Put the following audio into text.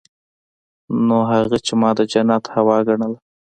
نو هغه چې ما د جنت هوا ګڼله.